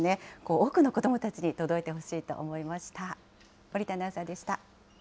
多くの子どもたちに届いてほしいと思いました。